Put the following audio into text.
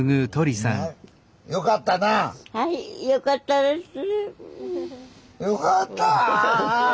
よかったなあ？